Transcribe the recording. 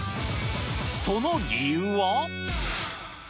その理由は。